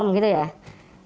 dan saya tanya ya pasti